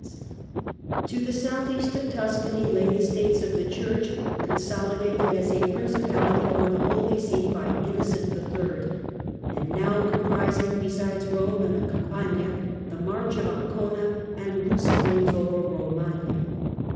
states of To the south east of Tuscany lay the States of the Church, consolidated as a principality for the Holy See by Innocent III. and now comprising besides Kome and the Campagna, the March of Ancona and loose claims over Komagna.